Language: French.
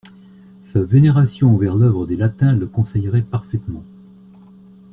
Sa vénération envers l'œuvre des Latins le conseillerait parfaitement.